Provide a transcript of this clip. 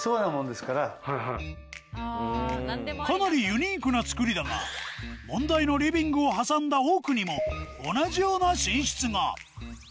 かなりユニークなつくりだが問題のリビングを挟んだ奥にも同じような寝室が！